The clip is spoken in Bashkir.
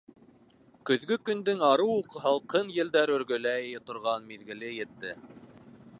Көҙгө көндөң арыу уҡ һалҡын елдәр өргөләй торған миҙгеле етте.